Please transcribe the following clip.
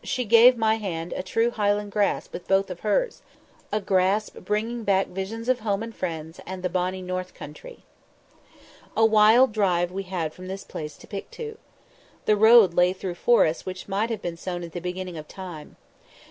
] she gave my hand a true Highland grasp with both of hers; a grasp bringing back visions of home and friends, and "the bonnie North countrie." A wild drive we had from this place to Pictou. The road lay through forests which might have been sown at the beginning of time.